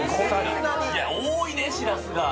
多いね、しらすが。